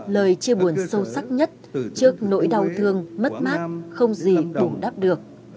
lời chia buồn sâu sắc nhất trước nỗi đau thương mất mát không gì bù đắp được